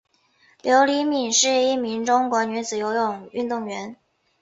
刘黎敏是一名中国女子游泳运动员。